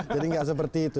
jadi nggak seperti itu